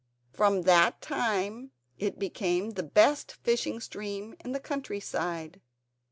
From that time it became the best fishing stream in the country side.